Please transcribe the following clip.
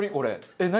えっ何？